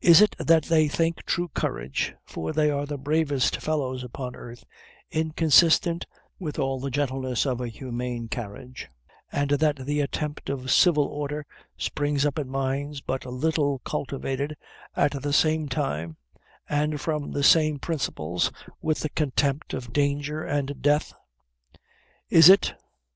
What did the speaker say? Is it that they think true courage (for they are the bravest fellows upon earth) inconsistent with all the gentleness of a humane carriage, and that the contempt of civil order springs up in minds but little cultivated, at the same time and from the same principles with the contempt of danger and death? Is it